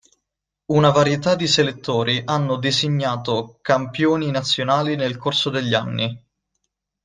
Una varietà di selettori hanno designato campioni nazionali nel corso degli anni.